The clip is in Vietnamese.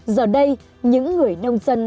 giờ đây những người nông dân